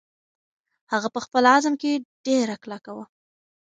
هغه په خپل عزم کې ډېره کلکه وه.